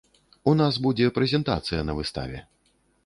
У нас будзе прэзентацыя на выставе.